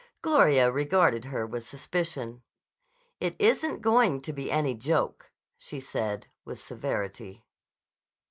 Gloria regarded her with suspicion. "It isn't going to be any joke," said she with severity.